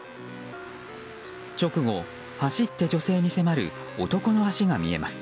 直後、走って女性に迫る男の足が見えます。